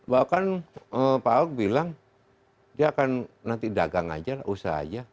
bahkan pak hock bilang dia akan nanti dagang saja usaha saja